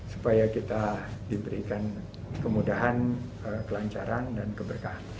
supaya kita diberikan kemudahan kelancaran dan keberkahan